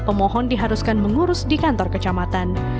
pemohon diharuskan mengurus di kantor kecamatan